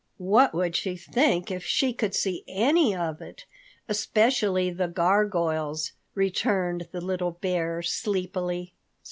"What would she think if she could see any of it, especially the gargoyles?" returned the little bear sleepily.